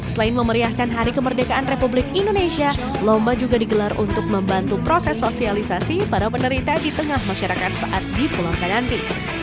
selain memeriahkan hari kemerdekaan republik indonesia lomba juga digelar untuk membantu proses sosialisasi para penderita di tengah masyarakat saat dipulangkan nanti